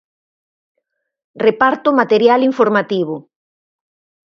Reparto material informativo.